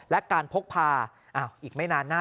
และการพกพา